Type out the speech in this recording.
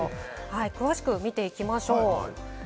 詳しくみていきましょう。